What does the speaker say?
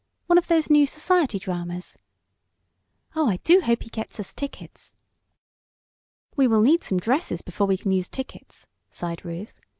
One of those new society dramas." "Oh, I do hope he gets us tickets!" "We will need some dresses before we can use tickets," sighed Ruth.